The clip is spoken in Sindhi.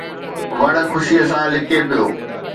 وڻ خوشيءَ سان لڪي پيو